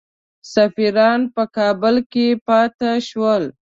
سفیران په کابل کې پاته شول.